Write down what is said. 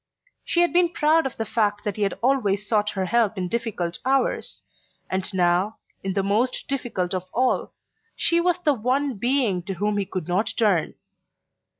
She had been proud of the fact that he had always sought her help in difficult hours; and now, in the most difficult of all, she was the one being to whom he could not turn.